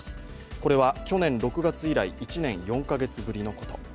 これは去年６月以来、１年４カ月ぶりのこと。